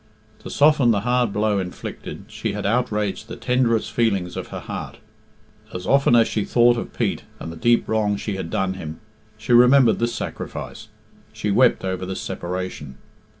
To soften the hard blow inflicted, she had outraged the tenderest feelings of her heart. As often as she thought of Pete and the deep wrong she had done him, she remembered this sacrifice, she wept over this separation.